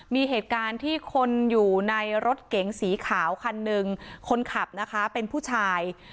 มีเหตุการณ์ที่คนอยู่ในรถเก๋งสีขาวคันหนึ่งคนขับนะคะเป็นผู้ชาย